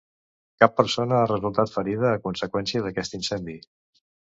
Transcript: Cap persona ha resultat ferida a conseqüència d’aquest incendi.